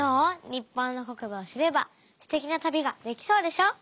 日本の国土を知ればステキな旅ができそうでしょ。